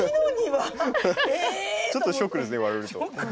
ちょっとショックですね言われると。